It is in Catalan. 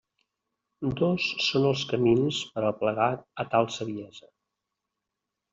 Dos són els camins per a aplegar a tal saviesa.